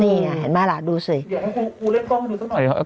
นี่อ่ะเห็นไหมล่ะดูสิเดี๋ยวให้ครูครูเล่นกล้องให้ดูสิหน่อย